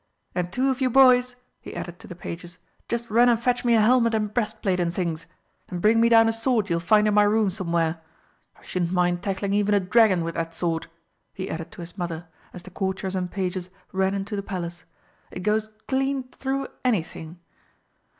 "And two of you boys," he added to the pages, "just run and fetch me a helmet and breastplate and things and bring me down a sword you'll find in my room somewhere. I shouldn't mind tackling even a dragon with that sword," he added to his mother, as the Courtiers and pages ran into the Palace. "It goes clean through anything."